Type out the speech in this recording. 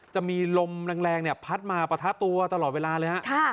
จะมีลมแรงพัดมาปะทะตัวตลอดเวลาเลยฮะ